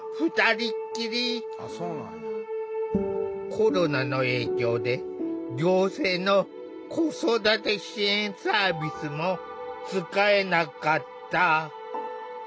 コロナの影響で行政の子育て支援サービスも使えなかった。